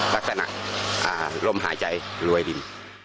ลักษณะลมหายใจรวยดิน